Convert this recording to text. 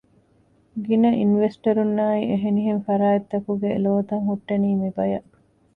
ގިނަ އިންވެސްޓަރުންނާއި އެހެނިހެން ފަރާތްތަކުގެ ލޯތައް ހުއްޓެނީ މިބަޔަށް